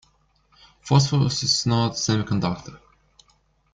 Phosphorus is not a semiconductor.